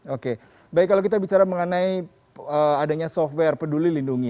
oke baik kalau kita bicara mengenai adanya software peduli lindungi